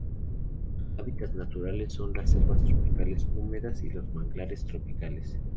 Sus hábitats naturales son las selvas tropicales húmedas y los manglares tropicales.